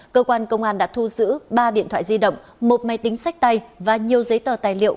cơ quan công an đã thu giữ ba điện thoại di động một máy tính sách tay và nhiều giấy tờ tài liệu